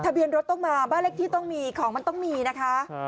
เบียนรถต้องมาบ้านเลขที่ต้องมีของมันต้องมีนะคะ